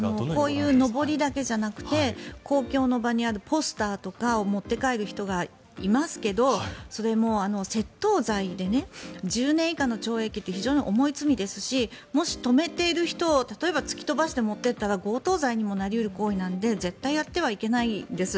こういうのぼりだけじゃなくて公共の場にあるポスターとかを持って帰る人がいますけどそれも窃盗罪で１０年以下の懲役って非常に重い罪ですしもし止めている人を例えば突き飛ばして持っていったら強盗罪にもなり得る行為なので絶対やってはいけないんです。